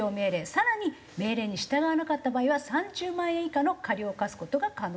更に命令に従わなかった場合は３０万円以下の過料を科す事が可能となっております。